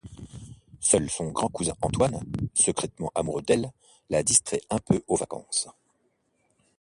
Seul son grand cousin Antoine, secrètement amoureux d'elle, la distrait un peu aux vacances.